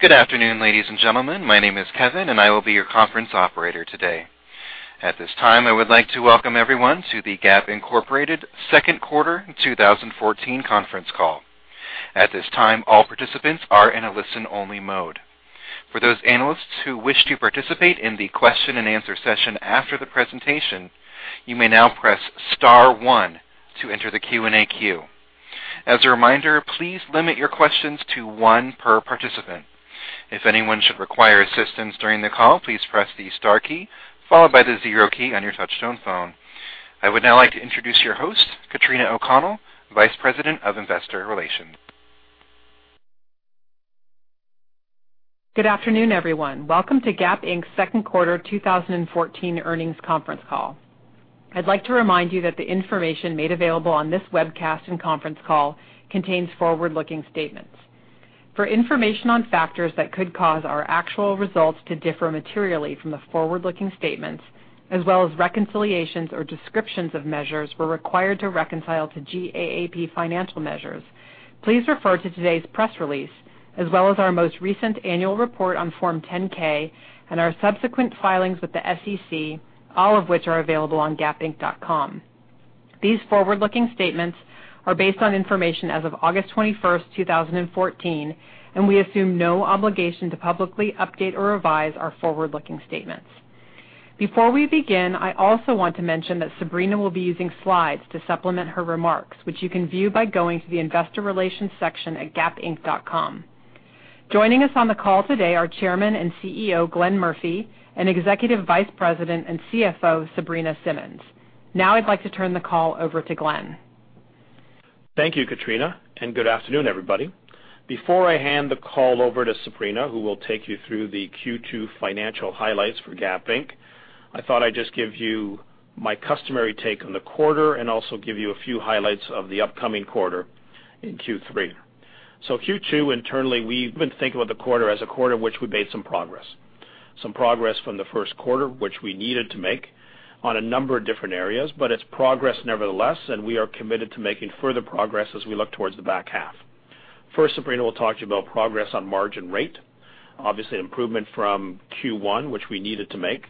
Good afternoon, ladies and gentlemen. My name is Kevin, and I will be your conference operator today. At this time, I would like to welcome everyone to the Gap Incorporated Second Quarter 2014 Conference Call. At this time, all participants are in a listen-only mode. For those analysts who wish to participate in the question and answer session after the presentation, you may now press star one to enter the Q&A queue. As a reminder, please limit your questions to one per participant. If anyone should require assistance during the call, please press the star key followed by the zero key on your touchtone phone. I would now like to introduce your host, Katrina O'Connell, Vice President of Investor Relations. Good afternoon, everyone. Welcome to Gap Inc.'s Second Quarter 2014 Earnings Conference Call. I'd like to remind you that the information made available on this webcast and conference call contains forward-looking statements. For information on factors that could cause our actual results to differ materially from the forward-looking statements, as well as reconciliations or descriptions of measures were required to reconcile to GAAP financial measures, please refer to today's press release, as well as our most recent annual report on Form 10-K and our subsequent filings with the SEC, all of which are available on gapinc.com. These forward-looking statements are based on information as of August 21st, 2014, we assume no obligation to publicly update or revise our forward-looking statements. Before we begin, I also want to mention that Sabrina will be using slides to supplement her remarks, which you can view by going to the investor relations section at gapinc.com. Joining us on the call today are Chairman and CEO, Glenn Murphy, and Executive Vice President and CFO, Sabrina Simmons. Now I'd like to turn the call over to Glenn. Thank you, Katrina, and good afternoon, everybody. Before I hand the call over to Sabrina, who will take you through the Q2 financial highlights for Gap Inc., I thought I'd just give you my customary take on the quarter and also give you a few highlights of the upcoming quarter in Q3. Q2, internally, we've been thinking about the quarter as a quarter in which we made some progress. Some progress from the first quarter, which we needed to make on a number of different areas, it's progress nevertheless, we are committed to making further progress as we look towards the back half. First, Sabrina will talk to you about progress on margin rate. Obviously, an improvement from Q1, which we needed to make.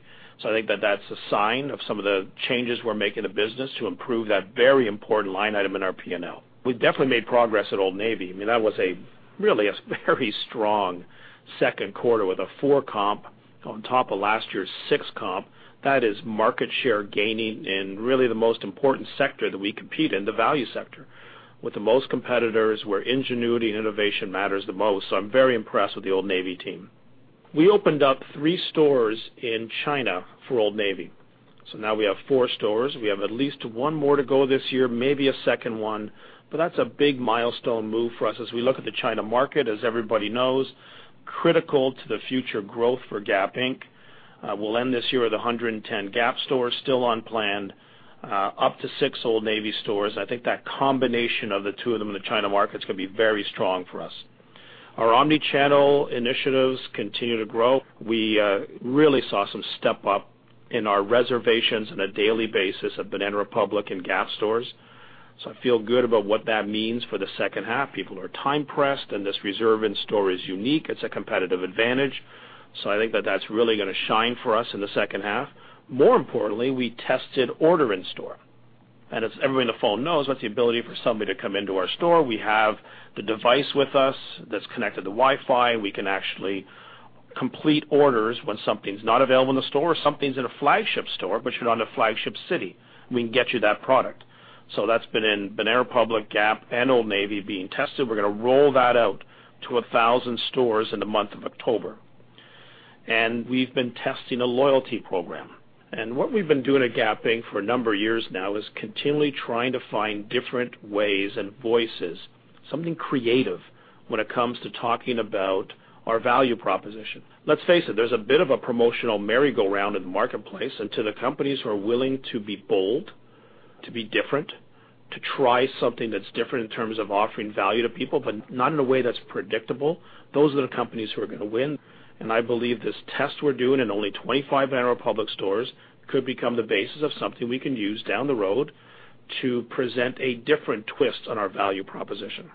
I think that that's a sign of some of the changes we're making to the business to improve that very important line item in our P&L. We've definitely made progress at Old Navy. That was really a very strong second quarter with a four comp on top of last year's six comp. That is market share gaining in really the most important sector that we compete in, the value sector, with the most competitors, where ingenuity and innovation matters the most. I'm very impressed with the Old Navy team. We opened up three stores in China for Old Navy. Now we have four stores. We have at least one more to go this year, maybe a second one, but that's a big milestone move for us as we look at the China market, as everybody knows, critical to the future growth for Gap Inc. We'll end this year with 110 Gap stores still on plan, up to six Old Navy stores. I think that combination of the two of them in the China market is going to be very strong for us. Our omnichannel initiatives continue to grow. We really saw some step up in our reservations on a daily basis at Banana Republic and Gap stores. I feel good about what that means for the second half. People are time-pressed, and this Reserve in Store is unique. It's a competitive advantage. I think that that's really going to shine for us in the second half. More importantly, we tested Order in Store. As everyone on the phone knows, that's the ability for somebody to come into our store. We have the device with us that's connected to Wi-Fi. We can actually complete orders when something's not available in the store or something's in a flagship store, but you're not in a flagship city. We can get you that product. That's been in Banana Republic, Gap, and Old Navy being tested. We're going to roll that out to 1,000 stores in the month of October. We've been testing a loyalty program. What we've been doing at Gap Inc. for a number of years now is continually trying to find different ways and voices, something creative when it comes to talking about our value proposition. Let's face it, there's a bit of a promotional merry-go-round in the marketplace, and to the companies who are willing to be bold, to be different, to try something that's different in terms of offering value to people, but not in a way that's predictable, those are the companies who are going to win. I believe this test we're doing in only 25 Banana Republic stores could become the basis of something we can use down the road to present a different twist on our value proposition.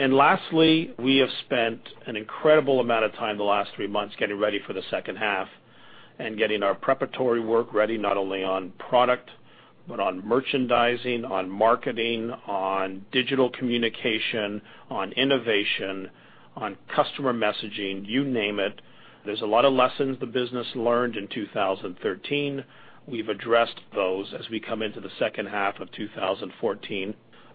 Lastly, we have spent an incredible amount of time the last three months getting ready for the second half and getting our preparatory work ready, not only on product, but on merchandising, on marketing, on digital communication, on innovation, on customer messaging, you name it. There's a lot of lessons the business learned in 2013. We've addressed those as we come into the second half of 2014.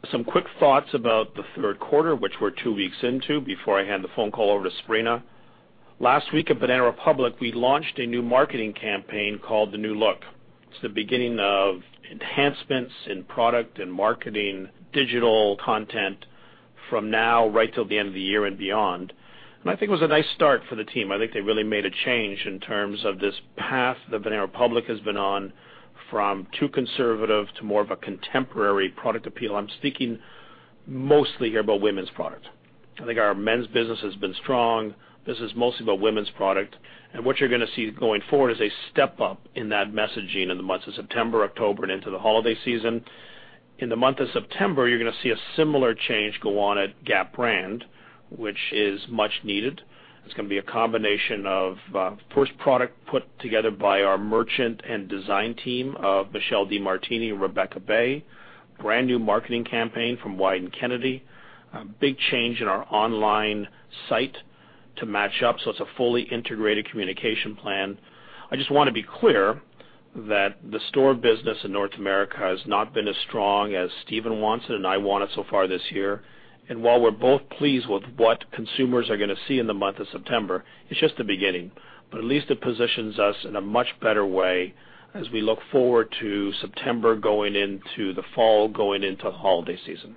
Some quick thoughts about the third quarter, which we're two weeks into, before I hand the phone call over to Sabrina. Last week at Banana Republic, we launched a new marketing campaign called The New Look. It's the beginning of enhancements in product and marketing, digital content from now right till the end of the year and beyond. I think it was a nice start for the team. I think they really made a change in terms of this path that Banana Republic has been on from too conservative to more of a contemporary product appeal. I'm speaking mostly here about women's product. I think our men's business has been strong. This is mostly about women's product. What you're going to see going forward is a step up in that messaging in the months of September, October, and into the holiday season. In the month of September, you're going to see a similar change go on at Gap brand, which is much needed. It's going to be a combination of first product put together by our merchant and design team of Michelle DeMartini and Rebekka Bay, brand new marketing campaign from Wieden+Kennedy, big change in our online site to match up. It's a fully integrated communication plan. I just want to be clear that the store business in North America has not been as strong as Stephen wants it, and I want it so far this year. While we're both pleased with what consumers are going to see in the month of September, it's just the beginning. At least it positions us in a much better way as we look forward to September, going into the fall, going into holiday season.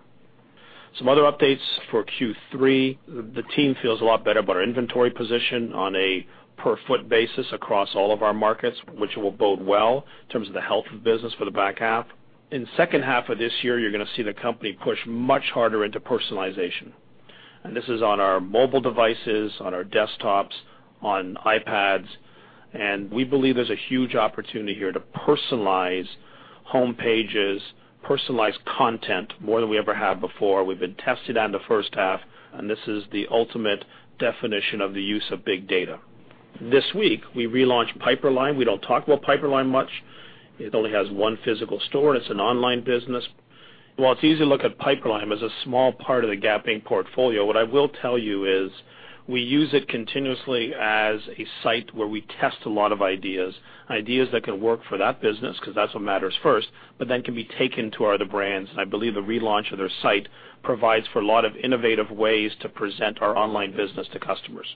Some other updates for Q3. The team feels a lot better about our inventory position on a per foot basis across all of our markets, which will bode well in terms of the health of business for the back half. In the second half of this year, you're going to see the company push much harder into personalization. This is on our mobile devices, on our desktops, on iPads. We believe there's a huge opportunity here to personalize homepages, personalize content more than we ever have before. We've been testing that in the first half, and this is the ultimate definition of the use of big data. This week, we relaunched Piperlime. We don't talk about Piperlime much. It only has one physical store, and it's an online business. While it's easy to look at Piperlime as a small part of the Gap Inc. portfolio, what I will tell you is we use it continuously as a site where we test a lot of ideas. Ideas that can work for that business because that's what matters first, but then can be taken to our other brands. I believe the relaunch of their site provides for a lot of innovative ways to present our online business to customers.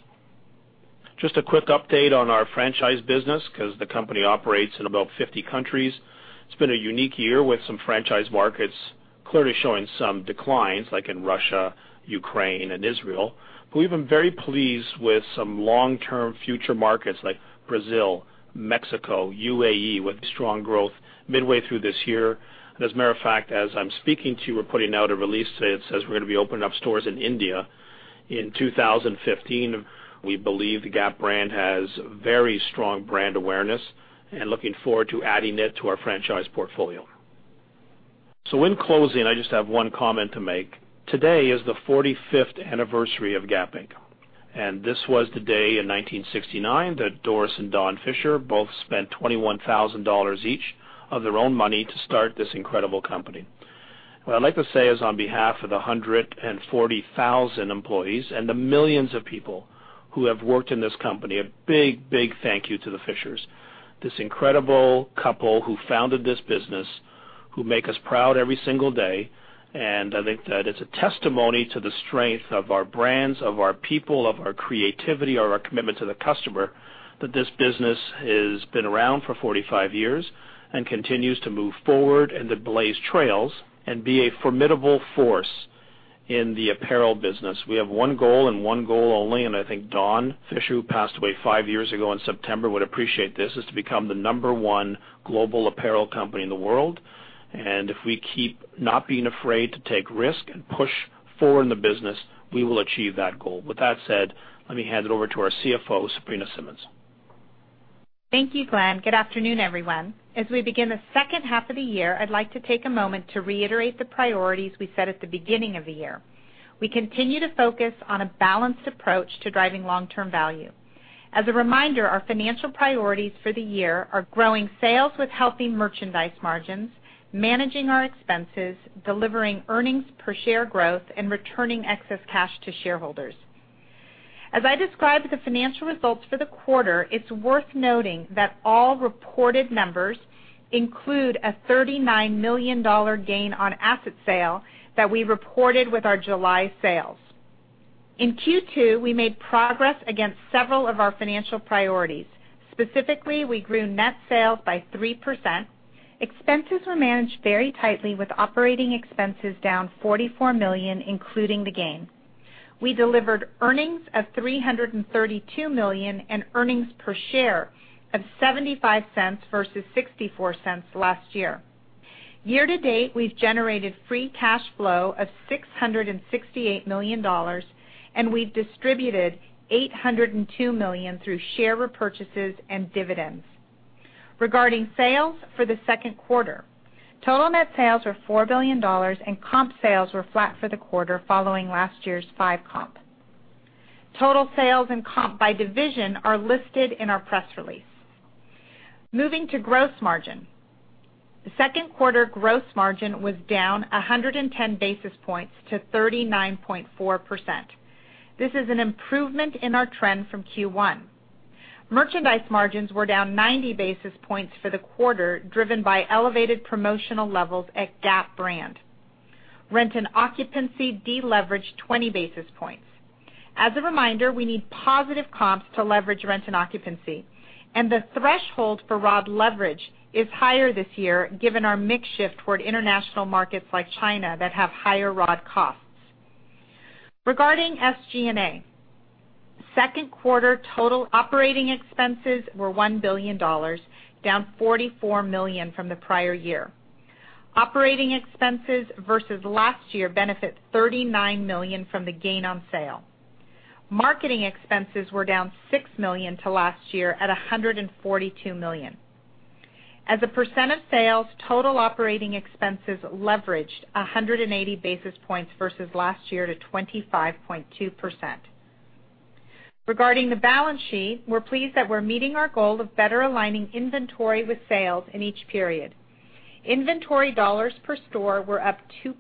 Just a quick update on our franchise business because the company operates in about 50 countries. It's been a unique year with some franchise markets clearly showing some declines, like in Russia, Ukraine, and Israel. We've been very pleased with some long-term future markets like Brazil, Mexico, UAE, with strong growth midway through this year. As a matter of fact, as I'm speaking to you, we're putting out a release today that says we're going to be opening up stores in India in 2015. We believe the Gap brand has very strong brand awareness and looking forward to adding it to our franchise portfolio. In closing, I just have one comment to make. Today is the 45th anniversary of Gap Inc. This was the day in 1969 that Doris and Don Fisher both spent $21,000 each of their own money to start this incredible company. What I'd like to say is on behalf of the 140,000 employees and the millions of people who have worked in this company, a big thank you to the Fishers, this incredible couple who founded this business, who make us proud every single day. I think that it's a testimony to the strength of our brands, of our people, of our creativity, of our commitment to the customer, that this business has been around for 45 years and continues to move forward and to blaze trails and be a formidable force in the apparel business. We have one goal and one goal only, and I think Don Fisher, who passed away five years ago in September, would appreciate this, is to become the number one global apparel company in the world. If we keep not being afraid to take risk and push forward in the business, we will achieve that goal. With that said, let me hand it over to our CFO, Sabrina Simmons. Thank you, Glenn. Good afternoon, everyone. As we begin the second half of the year, I'd like to take a moment to reiterate the priorities we set at the beginning of the year. We continue to focus on a balanced approach to driving long-term value. As a reminder, our financial priorities for the year are growing sales with healthy merchandise margins, managing our expenses, delivering earnings per share growth, and returning excess cash to shareholders. As I describe the financial results for the quarter, it's worth noting that all reported numbers include a $39 million gain on asset sale that we reported with our July sales. In Q2, we made progress against several of our financial priorities. Specifically, we grew net sales by 3%. Expenses were managed very tightly with operating expenses down $44 million, including the gain. We delivered earnings of $332 million and earnings per share of $0.75 versus $0.64 last year. Year to date, we've generated free cash flow of $668 million, and we've distributed $802 million through share repurchases and dividends. Regarding sales for the second quarter, total net sales were $4 billion, and comp sales were flat for the quarter following last year's five comp. Total sales and comp by division are listed in our press release. Moving to gross margin. The second quarter gross margin was down 110 basis points to 39.4%. This is an improvement in our trend from Q1. Merchandise margins were down 90 basis points for the quarter, driven by elevated promotional levels at Gap. Rent and occupancy deleveraged 20 basis points. As a reminder, we need positive comps to leverage rent and occupancy. The threshold for raw leverage is higher this year given our mix shift toward international markets like China that have higher raw costs. Regarding SG&A, second quarter total operating expenses were $1 billion, down $44 million from the prior year. Operating expenses versus last year benefit $39 million from the gain on sale. Marketing expenses were down $6 million to last year at $142 million. As a % of sales, total operating expenses leveraged 180 basis points versus last year to 25.2%. Regarding the balance sheet, we're pleased that we're meeting our goal of better aligning inventory with sales in each period. Inventory dollars per store were up 2%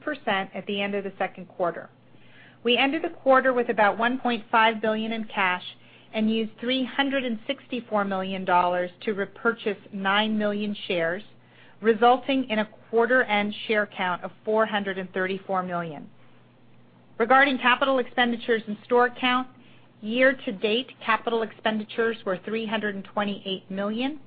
at the end of the second quarter. We ended the quarter with about $1.5 billion in cash and used $364 million to repurchase nine million shares, resulting in a quarter-end share count of 434 million. Regarding capital expenditures and store count, year-to-date capital expenditures were $328 million.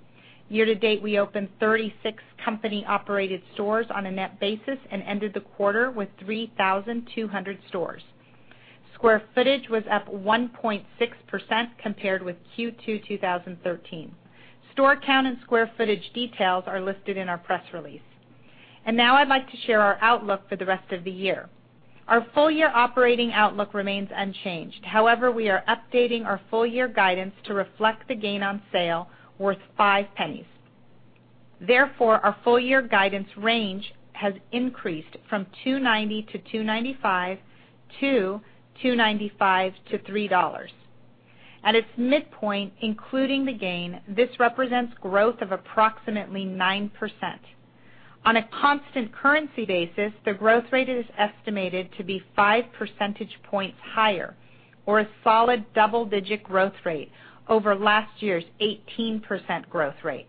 Year-to-date, we opened 36 company-operated stores on a net basis and ended the quarter with 3,200 stores. Square footage was up 1.6% compared with Q2 2013. Store count and square footage details are listed in our press release. Now I'd like to share our outlook for the rest of the year. Our full-year operating outlook remains unchanged. However, we are updating our full-year guidance to reflect the gain on sale worth $0.05. Therefore, our full-year guidance range has increased from $2.90-$2.95 to $2.95-$3.00. At its midpoint, including the gain, this represents growth of approximately 9%. On a constant currency basis, the growth rate is estimated to be five percentage points higher or a solid double-digit growth rate over last year's 18% growth rate.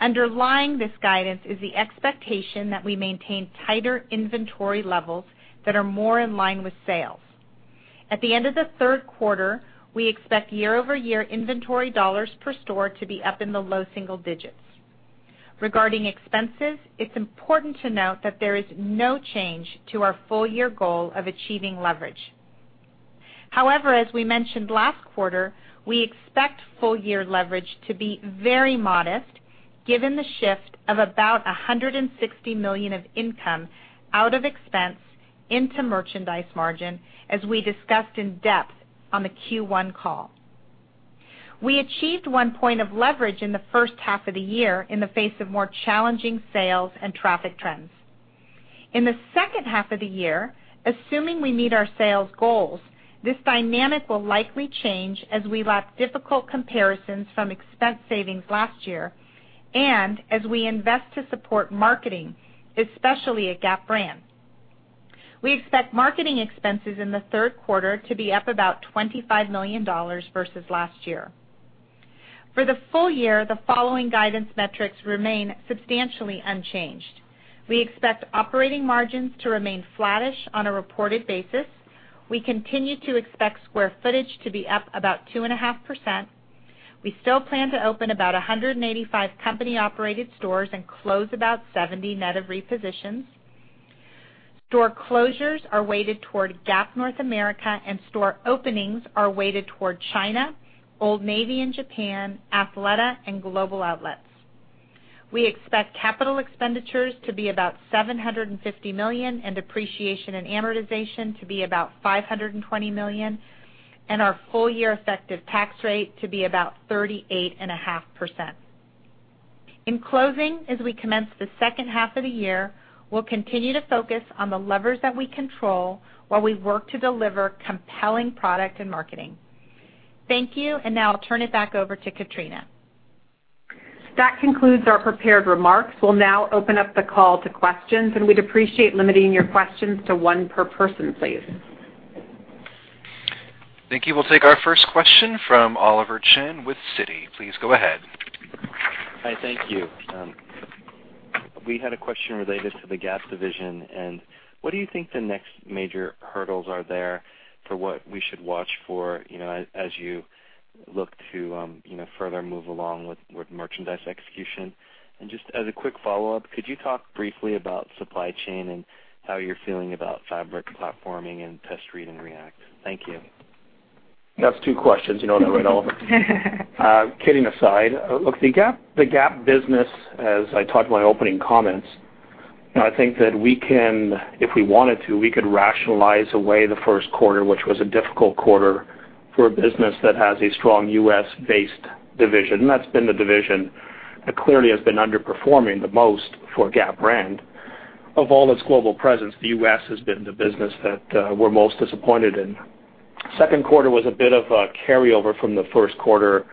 Underlying this guidance is the expectation that we maintain tighter inventory levels that are more in line with sales. At the end of the third quarter, we expect year-over-year inventory dollars per store to be up in the low single digits. Regarding expenses, it's important to note that there is no change to our full-year goal of achieving leverage. However, as we mentioned last quarter, we expect full-year leverage to be very modest given the shift of about $160 million of income out of expense into merchandise margin, as we discussed in depth on the Q1 call. We achieved one point of leverage in the first half of the year in the face of more challenging sales and traffic trends. In the second half of the year, assuming we meet our sales goals, this dynamic will likely change as we lap difficult comparisons from expense savings last year and as we invest to support marketing, especially at Gap. We expect marketing expenses in the third quarter to be up about $25 million versus last year. For the full year, the following guidance metrics remain substantially unchanged. We expect operating margins to remain flattish on a reported basis. We continue to expect square footage to be up about 2.5%. We still plan to open about 185 company-operated stores and close about 70 net of repositions. Store closures are weighted toward Gap North America. Store openings are weighted toward China, Old Navy in Japan, Athleta, and global outlets. We expect capital expenditures to be about $750 million and depreciation and amortization to be about $520 million, and our full-year effective tax rate to be about 38.5%. In closing, as we commence the second half of the year, we'll continue to focus on the levers that we control while we work to deliver compelling product and marketing. Thank you, and now I'll turn it back over to Katrina. That concludes our prepared remarks. We'll now open up the call to questions, and we'd appreciate limiting your questions to one per person, please. Thank you. We'll take our first question from Oliver Chen with Citi. Please go ahead. Hi. Thank you. We had a question related to the Gap division. What do you think the next major hurdles are there for what we should watch for as you look to further move along with merchandise execution? Just as a quick follow-up, could you talk briefly about supply chain and how you're feeling about fabric platforming and test, read, and react? Thank you. That's two questions, you know that, right, Oliver? Kidding aside, look, the Gap business, as I talked in my opening comments, I think that if we wanted to, we could rationalize away the first quarter, which was a difficult quarter for a business that has a strong U.S.-based division. That's been the division that clearly has been underperforming the most for Gap brand. Of all its global presence, the U.S. has been the business that we're most disappointed in. Second quarter was a bit of a carryover from the first quarter,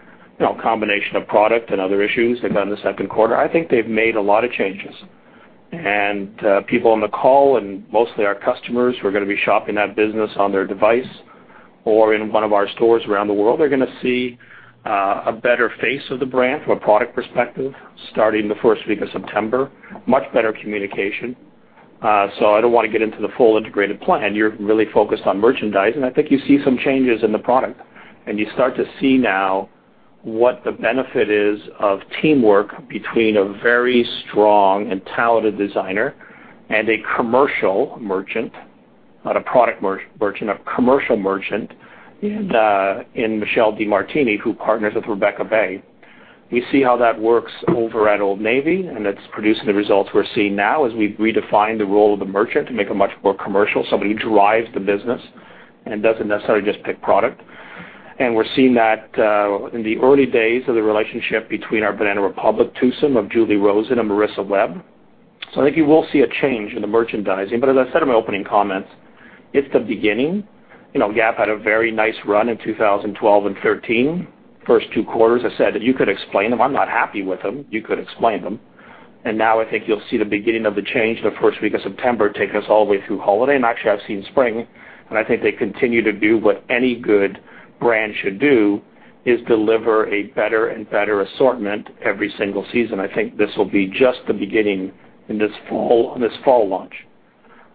combination of product and other issues they've got in the second quarter. I think they've made a lot of changes. People on the call, and mostly our customers who are going to be shopping that business on their device or in one of our stores around the world, are going to see a better face of the brand from a product perspective starting the first week of September. Much better communication. I don't want to get into the full integrated plan. You're really focused on merchandise, I think you see some changes in the product, you start to see now what the benefit is of teamwork between a very strong and talented designer and a commercial merchant, not a product merchant, a commercial merchant in Michelle DeMartini, who partners with Rebekka Bay. We see how that works over at Old Navy, it's producing the results we're seeing now as we redefine the role of the merchant to make it much more commercial. Somebody who drives the business and doesn't necessarily just pick product. We're seeing that in the early days of the relationship between our Banana Republic twosome of Julie Rosen and Marissa Webb. I think you will see a change in the merchandising. As I said in my opening comments, it's the beginning. Gap had a very nice run in 2012 and 2013. First two quarters, I said that you could explain them. I'm not happy with them. You could explain them. Now I think you'll see the beginning of the change in the first week of September, take us all the way through holiday. Actually, I've seen spring, and I think they continue to do what any good brand should do, is deliver a better and better assortment every single season. I think this will be just the beginning in this fall launch.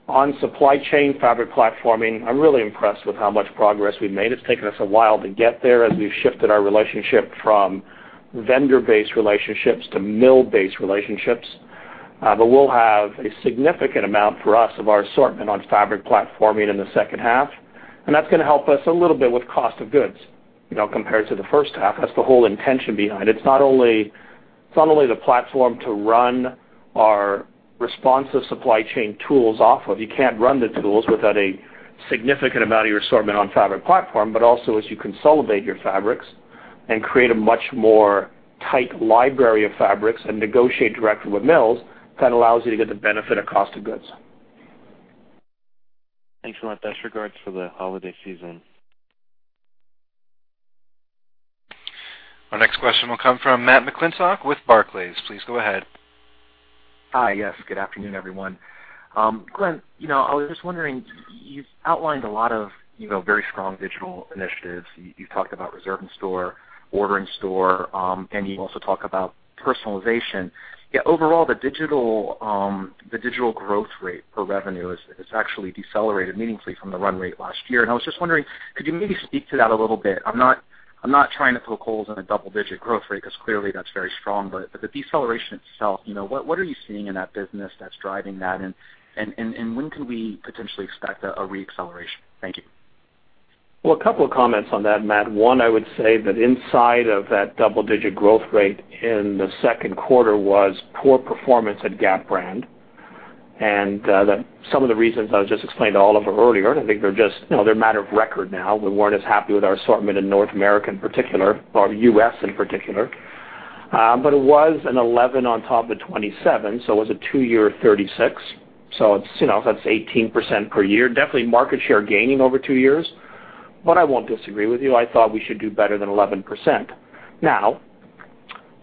On supply chain fabric platforming, I'm really impressed with how much progress we've made. It's taken us a while to get there as we've shifted our relationship from vendor-based relationships to mill-based relationships. We'll have a significant amount for us of our assortment on fabric platforming in the second half, that's going to help us a little bit with cost of goods compared to the first half. That's the whole intention behind. It's not only the platform to run our responsive supply chain tools off of. You can't run the tools without a significant amount of your assortment on fabric platform, also as you consolidate your fabrics and create a much tighter library of fabrics and negotiate directly with mills, that allows you to get the benefit of cost of goods. Thanks a lot. Best regards for the holiday season. Our next question will come from Matt McClintock with Barclays. Please go ahead. Hi, yes. Good afternoon, everyone. Glenn, I was just wondering, you've outlined a lot of very strong digital initiatives. You've talked about Reserve in Store, Order in Store, you also talk about personalization. Yet overall, the digital growth rate for revenue has actually decelerated meaningfully from the run rate last year. I was just wondering, could you maybe speak to that a little bit? I'm not trying to put holes in a double-digit growth rate because clearly that's very strong, but the deceleration itself. What are you seeing in that business that's driving that, and when could we potentially expect a re-acceleration? Thank you. Well, a couple of comments on that, Matt. One, I would say that inside of that double-digit growth rate in the second quarter was poor performance at Gap brand. Some of the reasons I just explained to Oliver earlier, and I think they're a matter of record now. We weren't as happy with our assortment in North America in particular, or U.S. in particular. It was an 11 on top of the 27, so it was a two-year 36. That's 18% per year. Definitely market share gaining over two years, but I won't disagree with you. I thought we should do better than 11%. Now,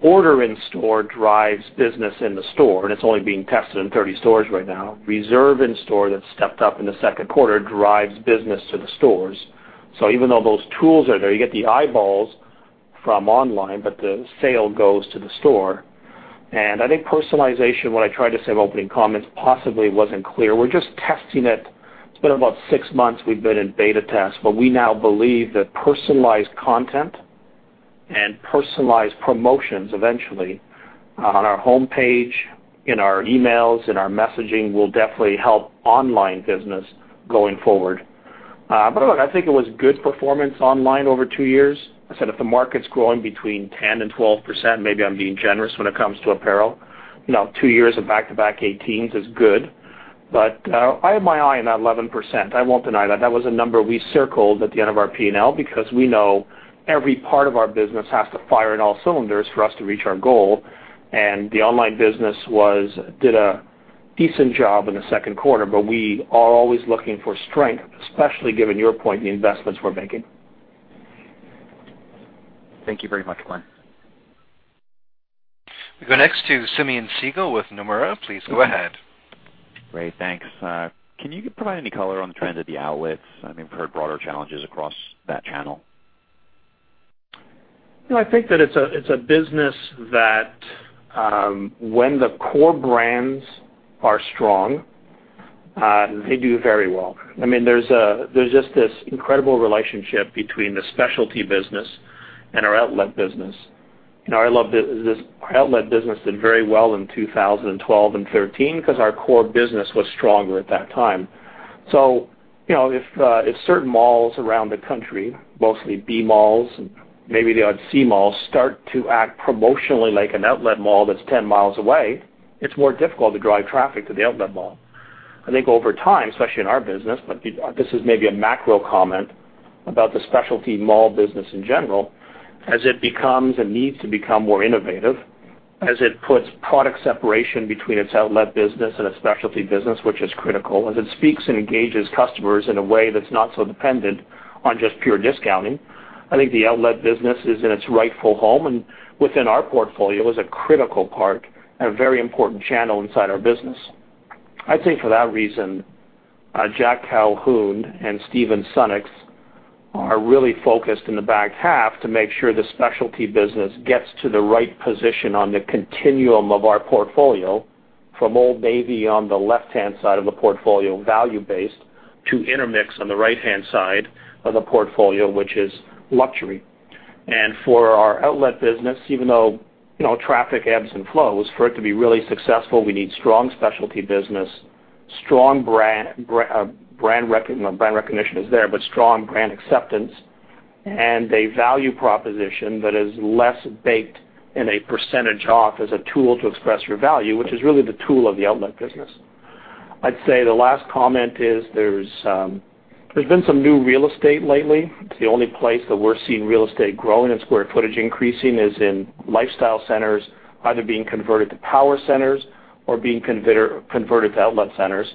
Order in Store drives business in the store, and it's only being tested in 30 stores right now. Reserve in Store that stepped up in the second quarter drives business to the stores. Even though those tools are there, you get the eyeballs from online, the sale goes to the store. I think personalization, what I tried to say in my opening comments possibly wasn't clear. We're just testing it. It's been about six months we've been in beta test, but we now believe that personalized content and personalized promotions eventually on our homepage, in our emails, in our messaging, will definitely help online business going forward. Look, I think it was good performance online over two years. I said if the market's growing between 10% and 12%, maybe I'm being generous when it comes to apparel. Two years of back-to-back 18s is good. I have my eye on that 11%. I won't deny that. That was a number we circled at the end of our P&L because we know every part of our business has to fire on all cylinders for us to reach our goal. The online business did a decent job in the second quarter, we are always looking for strength, especially given your point, the investments we're making. Thank you very much, Glenn. We go next to Simeon Siegel with Nomura. Please go ahead. Great, thanks. Can you provide any color on the trend of the outlets? We've heard broader challenges across that channel. I think that it's a business that when the core brands are strong, they do very well. There's just this incredible relationship between the specialty business and our outlet business. Our outlet business did very well in 2012 and 2013 because our core business was stronger at that time. If certain malls around the country, mostly B malls and maybe the odd C malls, start to act promotionally like an outlet mall that's 10 miles away, it's more difficult to drive traffic to the outlet mall. I think over time, especially in our business, but this is maybe a macro comment about the specialty mall business in general. As it becomes and needs to become more innovative, as it puts product separation between its outlet business and its specialty business, which is critical, as it speaks and engages customers in a way that's not so dependent on just pure discounting. I think the outlet business is in its rightful home, and within our portfolio, is a critical part and a very important channel inside our business. I think for that reason, Jack Calhoun and Stephen Sunnucks are really focused in the back half to make sure the specialty business gets to the right position on the continuum of our portfolio. From Old Navy on the left-hand side of the portfolio, value based, to Intermix on the right-hand side of the portfolio, which is luxury. For our outlet business, even though traffic ebbs and flows, for it to be really successful, we need strong specialty business. Strong brand recognition is there, but strong brand acceptance and a value proposition that is less baked in a % off as a tool to express your value, which is really the tool of the outlet business. I'd say the last comment is there's been some new real estate lately. It's the only place that we're seeing real estate growing and square footage increasing is in lifestyle centers, either being converted to power centers or being converted to outlet centers.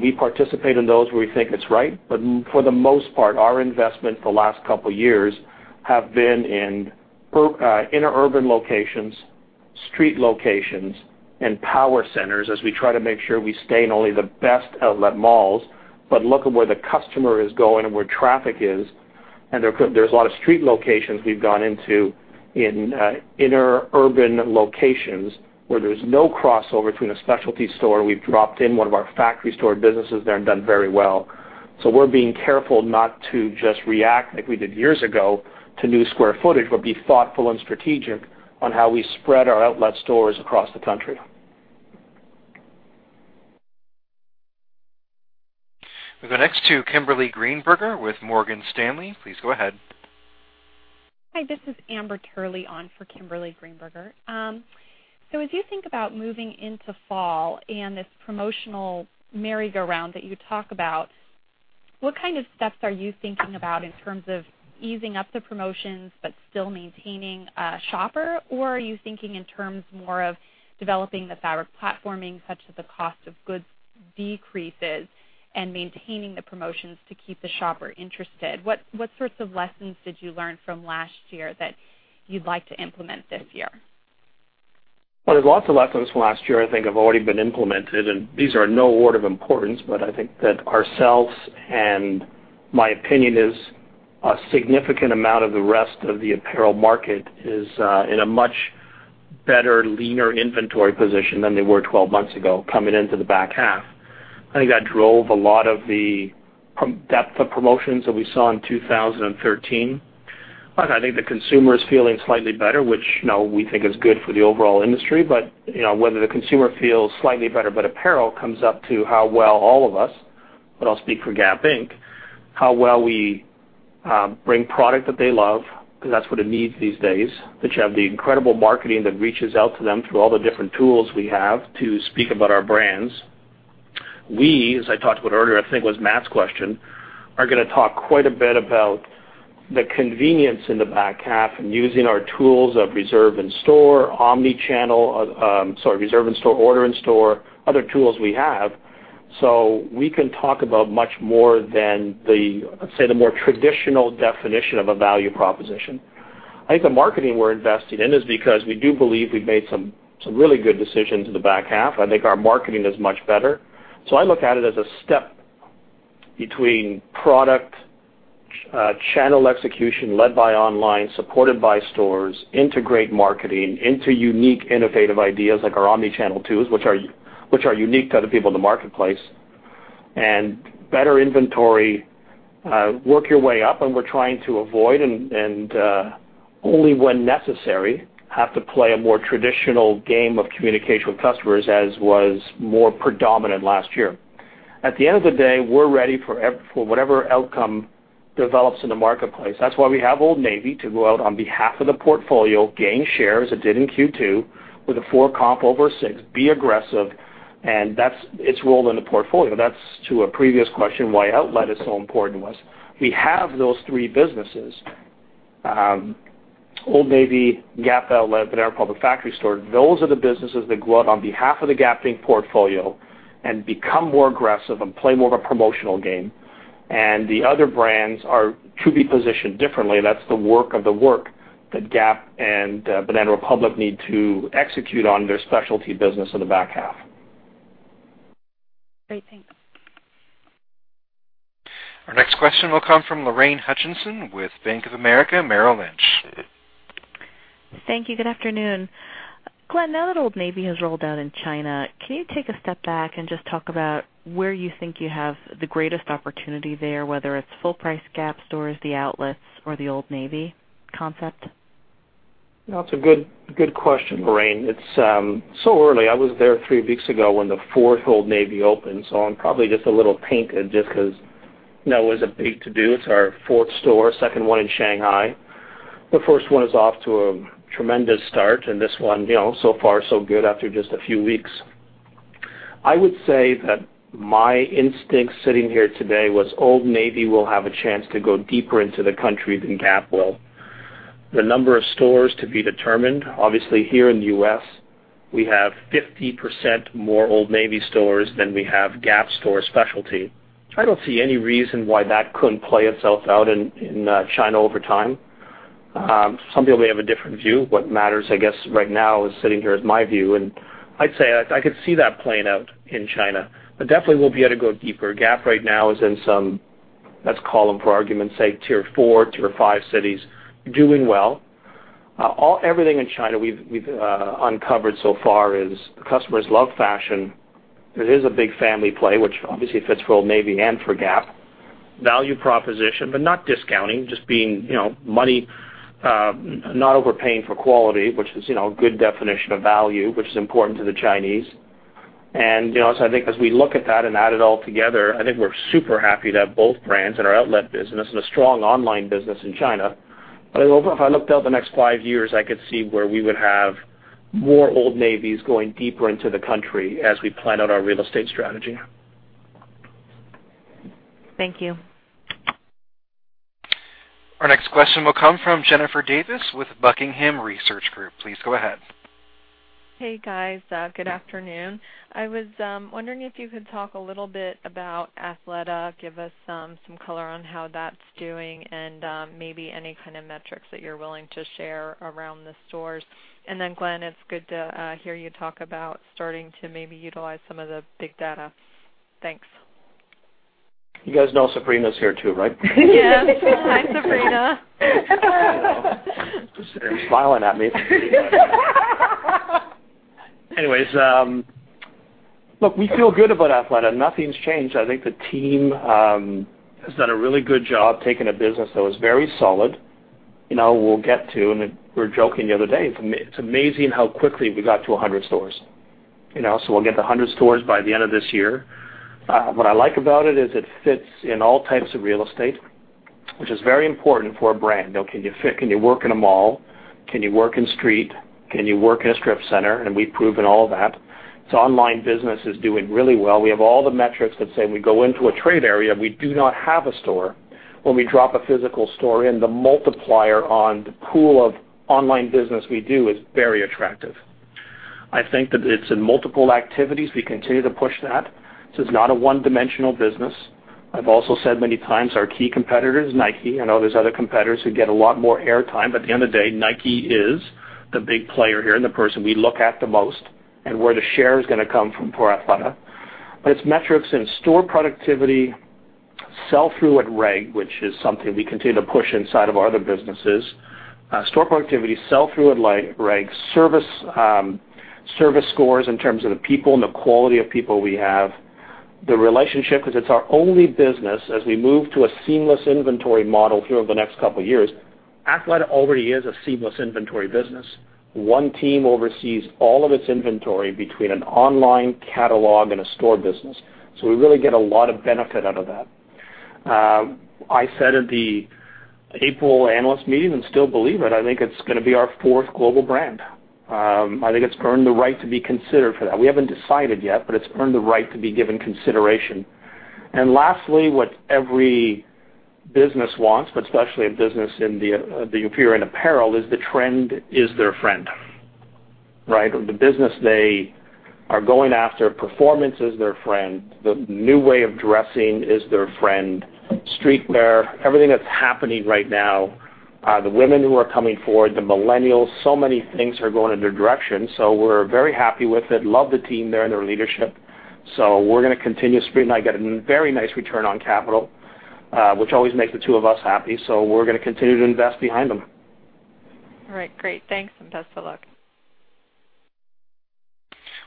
We participate in those where we think it's right, for the most part, our investment for the last couple of years have been in inner urban locations, street locations, and power centers as we try to make sure we stay in only the best outlet malls, but look at where the customer is going and where traffic is. There's a lot of street locations we've gone into in inner urban locations where there's no crossover to in a specialty store. We've dropped in one of our factory store businesses there and done very well. We're being careful not to just react like we did years ago to new square footage, but be thoughtful and strategic on how we spread our outlet stores across the country. We go next to Kimberly Greenberger with Morgan Stanley. Please go ahead. Hi, this is Amber Turley on for Kimberly Greenberger. As you think about moving into fall and this promotional merry-go-round that you talk about, what kind of steps are you thinking about in terms of easing up the promotions but still maintaining a shopper? Are you thinking in terms more of developing the fabric platforming such that the cost of goods decreases and maintaining the promotions to keep the shopper interested? What sorts of lessons did you learn from last year that you'd like to implement this year? Well, there's lots of lessons from last year I think have already been implemented, these are in no order of importance, but I think that ourselves and my opinion is a significant amount of the rest of the apparel market is in a much better, leaner inventory position than they were 12 months ago coming into the back half. I think that drove a lot of the depth of promotions that we saw in 2013. I think the consumer is feeling slightly better, which we think is good for the overall industry. Whether the consumer feels slightly better about apparel comes up to how well all of us, but I'll speak for Gap Inc., how well we bring product that they love because that's what it needs these days. That you have the incredible marketing that reaches out to them through all the different tools we have to speak about our brands. We, as I talked about earlier, I think it was Matt's question, are going to talk quite a bit about the convenience in the back half and using our tools of Reserve in Store, sorry, Reserve in Store, Order in Store, other tools we have. We can talk about much more than the, let's say, the more traditional definition of a value proposition. I think the marketing we're investing in is because we do believe we've made some really good decisions in the back half. I think our marketing is much better. I look at it as a step between product channel execution led by online, supported by stores, integrate marketing into unique, innovative ideas like our omnichannel tools, which are unique to other people in the marketplace. Better inventory, work your way up, and we're trying to avoid, and only when necessary, have to play a more traditional game of communication with customers, as was more predominant last year. At the end of the day, we're ready for whatever outcome develops in the marketplace. That's why we have Old Navy to go out on behalf of the portfolio, gain shares, it did in Q2 with a four comp over six, be aggressive, and that's its role in the portfolio. That's to a previous question why Gap Outlet is so important was. We have those three businesses. Old Navy, Gap Outlet, Banana Republic Factory Store. Those are the businesses that go out on behalf of the Gap Inc. portfolio and become more aggressive and play more of a promotional game. The other brands are to be positioned differently. That's the work of the work that Gap and Banana Republic need to execute on their specialty business in the back half. Great. Thanks. Our next question will come from Lorraine Hutchinson with Bank of America Merrill Lynch. Thank you. Good afternoon. Glenn, now that Old Navy has rolled out in China, can you take a step back and just talk about where you think you have the greatest opportunity there, whether it's full price Gap stores, the outlets, or the Old Navy concept? That's a good question, Lorraine. It's so early. I was there three weeks ago when the fourth Old Navy opened. I'm probably just a little painted just because that was a big to-do. It's our fourth store, second one in Shanghai. The first one is off to a tremendous start, this one so far so good after just a few weeks. I would say that my instinct sitting here today was Old Navy will have a chance to go deeper into the country than Gap will. The number of stores to be determined. Obviously, here in the U.S., we have 50% more Old Navy stores than we have Gap store specialty. I don't see any reason why that couldn't play itself out in China over time. Some people may have a different view. What matters, I guess, right now sitting here is my view, I'd say I could see that playing out in China. Definitely we'll be able to go deeper. Gap right now is in some, let's call them for argument's sake, tier 4, tier 5 cities, doing well. Everything in China we've uncovered so far is customers love fashion. It is a big family play, which obviously fits well, maybe, and for Gap. Value proposition, but not discounting, just being money, not overpaying for quality, which is a good definition of value, which is important to the Chinese. I think as we look at that and add it all together, I think we're super happy to have both brands in our outlet business and a strong online business in China. If I looked out the next five years, I could see where we would have more Old Navys going deeper into the country as we plan out our real estate strategy. Thank you. Our next question will come from Jennifer Davis with Buckingham Research Group. Please go ahead. Hey, guys. Good afternoon. I was wondering if you could talk a little bit about Athleta, give us some color on how that's doing and maybe any kind of metrics that you're willing to share around the stores. Glenn, it's good to hear you talk about starting to maybe utilize some of the big data. Thanks. You guys know Sabrina's here, too, right? Yes. Hi, Sabrina. She's sitting there smiling at me. Anyways. Look, we feel good about Athleta. Nothing's changed. I think the team has done a really good job taking a business that was very solid. We'll get to, and we were joking the other day, it's amazing how quickly we got to 100 stores. We'll get to 100 stores by the end of this year. What I like about it is it fits in all types of real estate, which is very important for a brand. Can you work in a mall? Can you work in street? Can you work in a strip center? We've proven all of that. Its online business is doing really well. We have all the metrics that say we go into a trade area, we do not have a store. When we drop a physical store in, the multiplier on the pool of online business we do is very attractive. I think that it's in multiple activities. We continue to push that. This is not a one-dimensional business. I've also said many times our key competitor is Nike. I know there's other competitors who get a lot more air time, but at the end of the day, Nike is the big player here and the person we look at the most and where the share is going to come from for Athleta. Its metrics in store productivity, sell-through at reg, which is something we continue to push inside of our other businesses. Store productivity, sell-through at reg, service scores in terms of the people and the quality of people we have. The relationship, because it's our only business as we move to a seamless inventory model here over the next couple of years. Athleta already is a seamless inventory business. One team oversees all of its inventory between an online catalog and a store business. We really get a lot of benefit out of that. I said at the April analyst meeting and still believe it, I think it's going to be our fourth global brand. I think it's earned the right to be considered for that. We haven't decided yet, but it's earned the right to be given consideration. Lastly, what every business wants, but especially a business if you're in apparel, is the trend is their friend. Right? The business they are going after, performance is their friend. The new way of dressing is their friend. Streetwear, everything that's happening right now, the women who are coming forward, the millennials, many things are going in their direction. We're very happy with it. Love the team there and their leadership. We're going to continue. Sabrina and I get a very nice return on capital, which always makes the two of us happy. We're going to continue to invest behind them. All right. Great. Thanks, best of luck.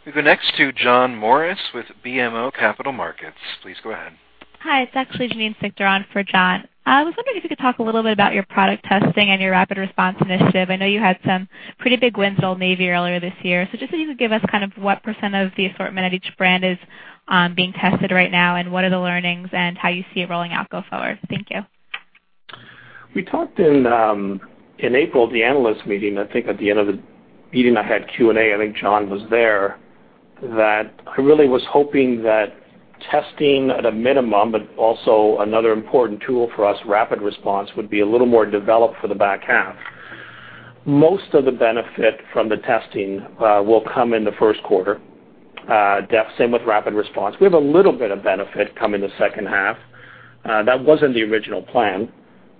We go next to John Morris with BMO Capital Markets. Please go ahead. Hi. It's actually Janine Stichter for John. I was wondering if you could talk a little bit about your product testing and your rapid response initiative. I know you had some pretty big wins at Old Navy earlier this year. Just if you could give us kind of what % of the assortment at each brand is being tested right now, and what are the learnings and how you see it rolling out go forward. Thank you. We talked in April at the analyst meeting, I think at the end of the meeting, I had Q&A, I think John was there, that I really was hoping that testing at a minimum, but also another important tool for us, rapid response, would be a little more developed for the back half. Most of the benefit from the testing will come in the first quarter. Same with rapid response. We have a little bit of benefit come in the second half. That wasn't the original plan.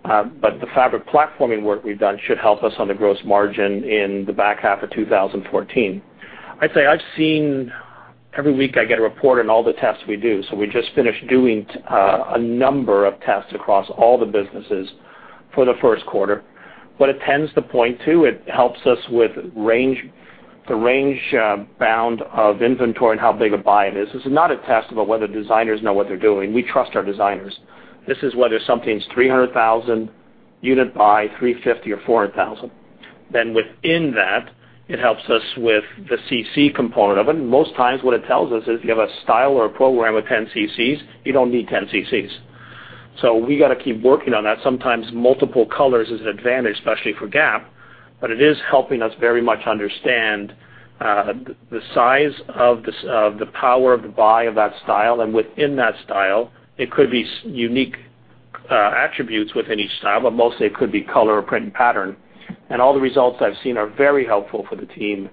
The fabric platforming work we've done should help us on the gross margin in the back half of 2014. I'd say I've seen every week I get a report on all the tests we do. We just finished doing a number of tests across all the businesses for the first quarter. What it tends to point to, it helps us with the range bound of inventory and how big a buy it is. This is not a test about whether designers know what they're doing. We trust our designers. This is whether something's 300,000 unit buy, 350,000, or 400,000. Within that, it helps us with the CC component of it. Most times what it tells us is if you have a style or a program with 10 CCs, you don't need 10 CCs. We got to keep working on that. Sometimes multiple colors is an advantage, especially for Gap, but it is helping us very much understand the size of the power of the buy of that style. Within that style, it could be unique attributes within each style, but mostly it could be color or print and pattern. All the results I've seen are very helpful for the team.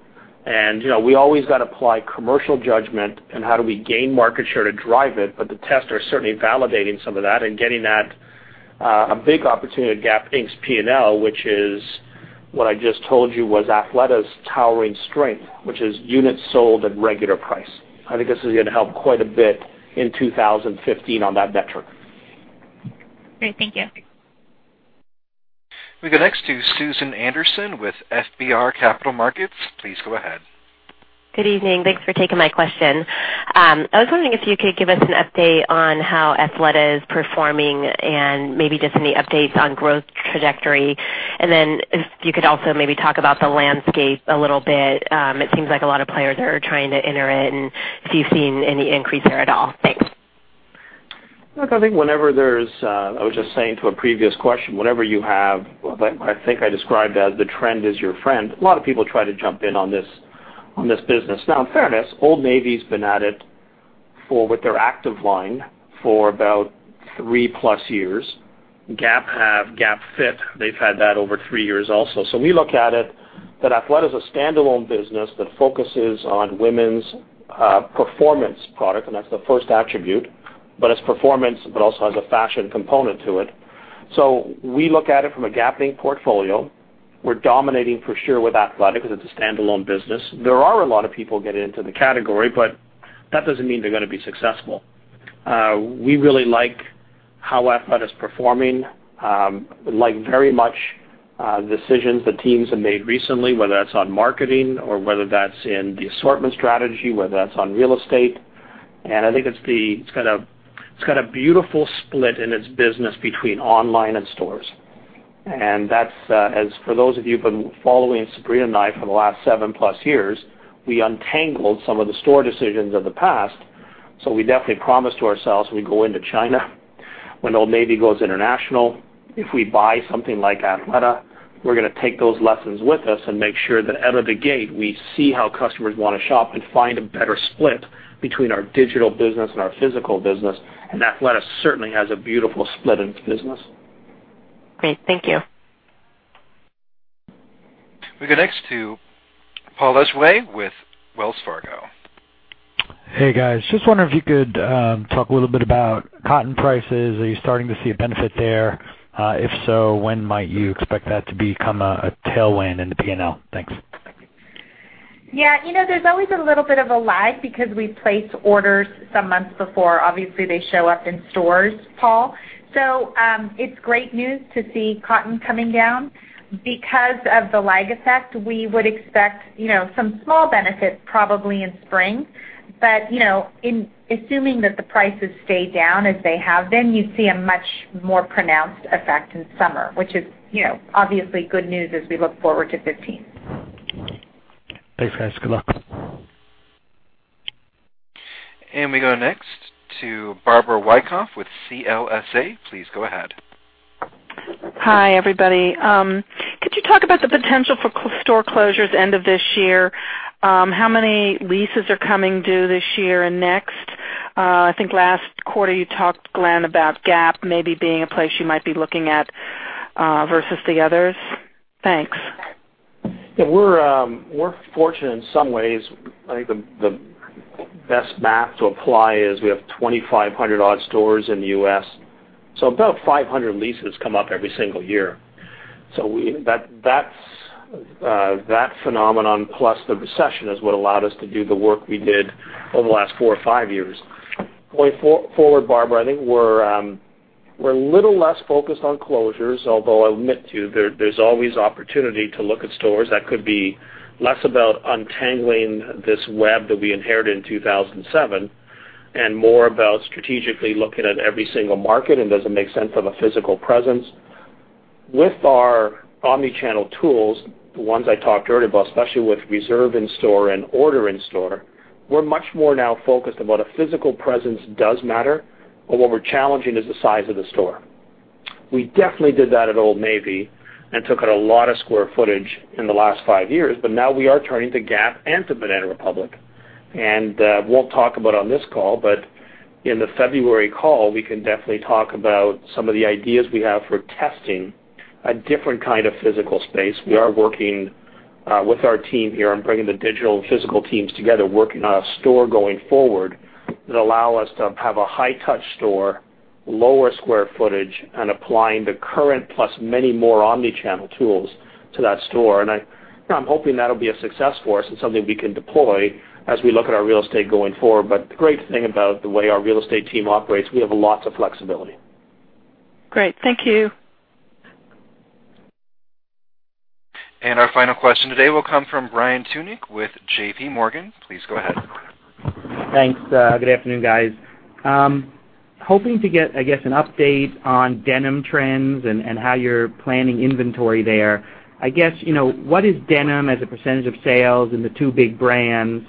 We always got to apply commercial judgment and how do we gain market share to drive it, the tests are certainly validating some of that and getting at a big opportunity at Gap Inc.'s P&L, which is what I just told you was Athleta's towering strength, which is units sold at regular price. I think this is going to help quite a bit in 2015 on that metric. Great. Thank you. We go next to Susan Anderson with FBR Capital Markets. Please go ahead. Good evening. Thanks for taking my question. I was wondering if you could give us an update on how Athleta is performing and maybe just any updates on growth trajectory. If you could also maybe talk about the landscape a little bit. It seems like a lot of players are trying to enter it and if you've seen any increase there at all. Thanks. Look, I think, I was just saying to a previous question, whenever you have, I think I described as the trend is your friend. A lot of people try to jump in on this business. Now in fairness, Old Navy's been at it with their active line for about three plus years. Gap have GapFit. They've had that over three years also. We look at it that Athleta is a standalone business that focuses on women's performance product, and that's the first attribute. It's performance, but also has a fashion component to it. We look at it from a Gap Inc. portfolio. We're dominating for sure with Athleta because it's a standalone business. There are a lot of people getting into the category, but that doesn't mean they're going to be successful. We really like how Athleta's performing. We like very much decisions the teams have made recently, whether that's on marketing or whether that's in the assortment strategy, whether that's on real estate. I think it's got a beautiful split in its business between online and stores. That's, as for those of you who've been following Sabrina and I for the last 7+ years, we untangled some of the store decisions of the past. We definitely promised ourselves we go into China when Old Navy goes international. If we buy something like Athleta, we're going to take those lessons with us and make sure that out of the gate, we see how customers want to shop and find a better split between our digital business and our physical business. Athleta certainly has a beautiful split in its business. Great. Thank you. We go next to Paul Lejuez with Wells Fargo. Hey, guys. Just wonder if you could talk a little bit about cotton prices. Are you starting to see a benefit there? When might you expect that to become a tailwind in the P&L? Thanks. Yeah. There's always a little bit of a lag because we place orders some months before. Obviously, they show up in stores, Paul. It's great news to see cotton coming down. Because of the lag effect, we would expect some small benefits probably in spring. Assuming that the prices stay down as they have been, you'd see a much more pronounced effect in summer, which is obviously good news as we look forward to 2015. Thanks, guys. Good luck. We go next to Barbara Wyckoff with CLSA. Please go ahead. Hi, everybody. Could you talk about the potential for store closures end of this year? How many leases are coming due this year and next? I think last quarter you talked, Glenn, about Gap maybe being a place you might be looking at versus the others. Thanks. Yeah, we're fortunate in some ways. I think the best math to apply is we have 2,500 odd stores in the U.S., about 500 leases come up every single year. That phenomenon plus the recession is what allowed us to do the work we did over the last four or five years. Going forward, Barbara, I think we're a little less focused on closures, although I'll admit to you, there's always opportunity to look at stores. That could be less about untangling this web that we inherited in 2007 and more about strategically looking at every single market, and does it make sense of a physical presence. With our omni-channel tools, the ones I talked earlier about, especially with Reserve in Store and Order in Store, we're much more now focused on what a physical presence does matter. What we're challenging is the size of the store. We definitely did that at Old Navy and took out a lot of square footage in the last five years, now we are turning to Gap and to Banana Republic. We won't talk about on this call, but in the February call, we can definitely talk about some of the ideas we have for testing a different kind of physical space. We are working with our team here on bringing the digital and physical teams together, working on a store going forward that allow us to have a high touch store, lower square footage, and applying the current plus many more omni-channel tools to that store. I'm hoping that'll be a success for us and something we can deploy as we look at our real estate going forward. The great thing about the way our real estate team operates, we have lots of flexibility. Great. Thank you. Our final question today will come from Brian Tunick with J.P. Morgan. Please go ahead. Thanks. Good afternoon, guys. Hoping to get, I guess, an update on denim trends and how you're planning inventory there. I guess, what is denim as a percentage of sales in the two big brands,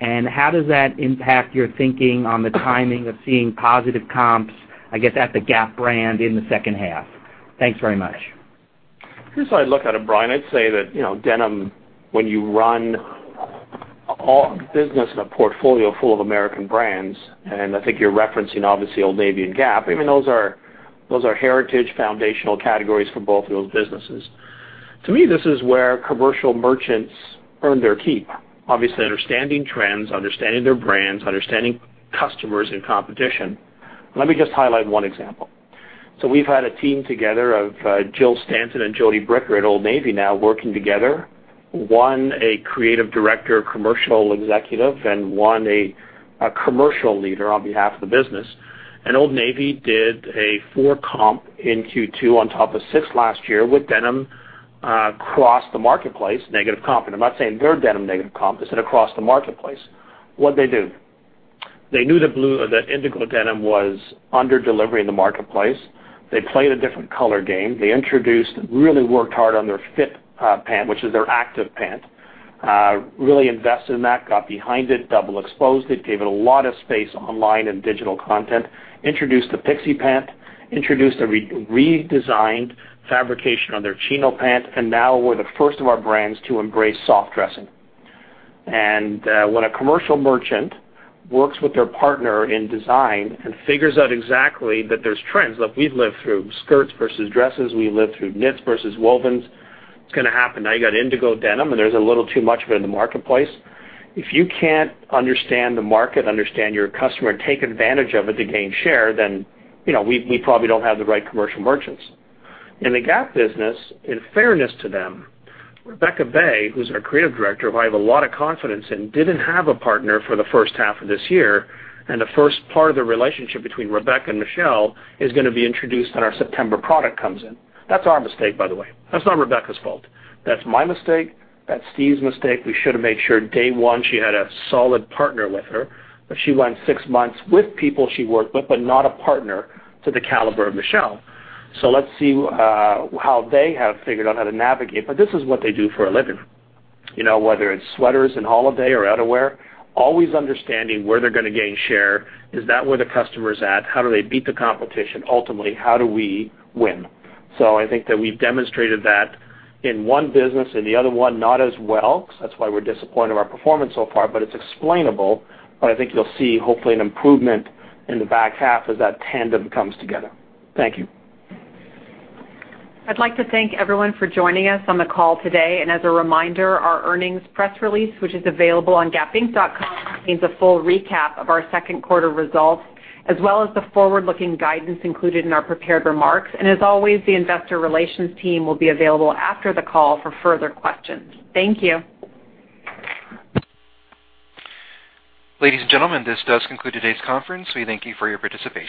and how does that impact your thinking on the timing of seeing positive comps, I guess at the Gap brand in the second half? Thanks very much. Here's how I look at it, Brian. I'd say that denim, when you run a business and a portfolio full of American brands, and I think you're referencing obviously Old Navy and Gap, even those are heritage foundational categories for both of those businesses. To me, this is where commercial merchants earn their keep. Obviously, understanding trends, understanding their brands, understanding customers and competition. Let me just highlight one example. We've had a team together of Jill Stanton and Jody Bricker at Old Navy now working together One, a creative director commercial executive, and one, a commercial leader on behalf of the business. Old Navy did a four comp in Q2 on top of six last year with denim across the marketplace, negative comp. I'm not saying their denim negative comp, I said across the marketplace. What'd they do? They knew that indigo denim was under-delivering in the marketplace. They played a different color game. They introduced, really worked hard on their fit pant, which is their active pant. Really invested in that, got behind it, double exposed it, gave it a lot of space online and digital content, introduced the Pixie Pant, introduced a redesigned fabrication on their chino pant. Now we're the first of our brands to embrace soft dressing. When a commercial merchant works with their partner in design and figures out exactly that there's trends. Look, we've lived through skirts versus dresses, we've lived through knits versus wovens. It's going to happen. Now you got indigo denim. There's a little too much of it in the marketplace. If you can't understand the market, understand your customer, take advantage of it to gain share, then we probably don't have the right commercial merchants. In the Gap business, in fairness to them, Rebekka Bay, who's our creative director, who I have a lot of confidence in, didn't have a partner for the first half of this year. The first part of the relationship between Rebekka and Michelle is going to be introduced when our September product comes in. That's our mistake, by the way. That's not Rebekka's fault. That's my mistake. That's Steve's mistake. We should have made sure day one she had a solid partner with her. She went six months with people she worked with. Not a partner to the caliber of Michelle. Let's see how they have figured out how to navigate. This is what they do for a living. Whether it's sweaters in holiday or outerwear, always understanding where they're going to gain share. Is that where the customer's at? How do they beat the competition? Ultimately, how do we win? I think that we've demonstrated that in one business. In the other one, not as well. That's why we're disappointed with our performance so far. It's explainable. I think you'll see hopefully an improvement in the back half as that tandem comes together. Thank you. I'd like to thank everyone for joining us on the call today. As a reminder, our earnings press release, which is available on gapinc.com, contains a full recap of our second quarter results, as well as the forward-looking guidance included in our prepared remarks. As always, the investor relations team will be available after the call for further questions. Thank you. Ladies and gentlemen, this does conclude today's conference. We thank you for your participation